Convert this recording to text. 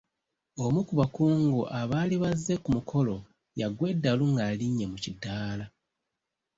Omu ku bakungu abaali bazze ku mukolo yaggwa eddalu ng'alinnye mu kiddaala.